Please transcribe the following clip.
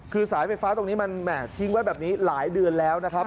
คือสายไฟฟ้าตรงนี้มันแห่ทิ้งไว้แบบนี้หลายเดือนแล้วนะครับ